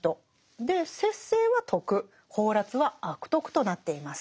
で節制は徳放埓は悪徳となっています。